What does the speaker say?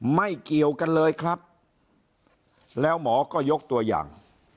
ไม่เกี่ยวกันเลยครับแล้วหมอก็ยกตัวอย่าง